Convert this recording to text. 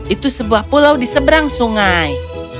itu sebuah pulau di seberang sungai